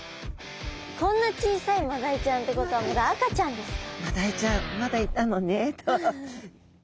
こんな小さいマダイちゃんってことはまだ赤ちゃんですか。